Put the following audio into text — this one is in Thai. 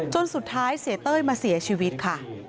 จนสุดท้ายเสียเต้ยมาเสียชีวิตค่ะ